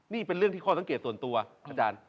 นี่เป็นเรื่องที่ข้อสังเกตส่วนตัวอาจารย์